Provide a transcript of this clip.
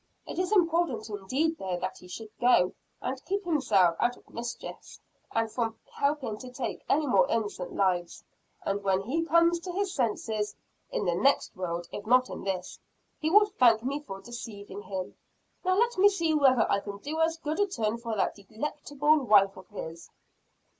"It is important indeed though that he should go, and keep himself out of mischief; and from helping to take any more innocent lives. And when he comes to his senses in the next world, if not in this he will thank me for deceiving him. Now let me see whether I can do as good a turn for that delectable wife of his."